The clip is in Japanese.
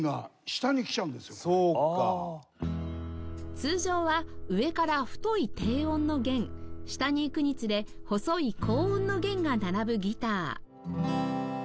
通常は上から太い低音の弦下に行くにつれ細い高音の弦が並ぶギター